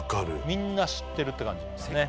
みんな知ってるって感じですね